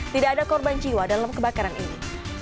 tidak ada korban jiwa dalam kebakaran ini